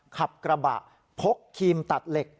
ขับกระบะพกครีมตัดเหล็ก